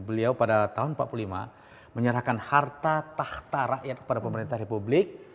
beliau pada tahun seribu sembilan ratus empat puluh lima menyerahkan harta tahta rakyat kepada pemerintah republik